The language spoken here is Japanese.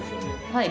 はい。